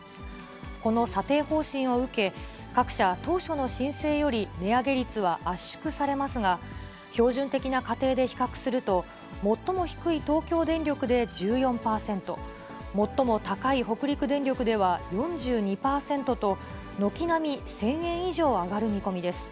この査定方針を受け、各社、当初の申請より値上げ率は圧縮されますが、標準的な家庭で比較すると、最も低い東京電力で１４％、最も高い北陸電力では４２％と、軒並み１０００円以上上がる見込みです。